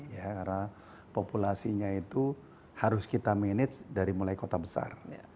karena populasinya itu harus kita manage dari mulai kota besar